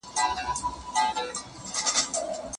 ده د تاوتريخوالي پر ځای د خبرو لار غوره ګڼله.